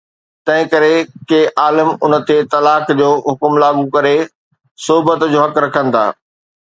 تنهن ڪري، ڪي عالم ان تي طلاق جو حڪم لاڳو ڪري صحبت جو حق رکن ٿا